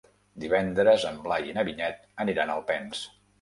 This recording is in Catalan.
Divendres en Blai i na Vinyet aniran a Alpens.